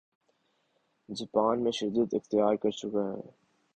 Japan میں شدت اختیار کرچکا ہے